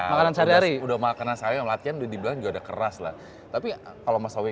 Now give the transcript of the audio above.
makanan sehari hari udah makanan sehari hari yang latihan udah dibilang juga udah keras lah tapi kalau mas howie